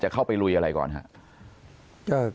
จะเข้าไปลุยอะไรก่อนฮะ